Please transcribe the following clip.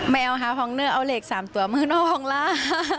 แมวหาพองเนอร์เอาเหล็ก๓ตัวเมืองนอกฮองล่า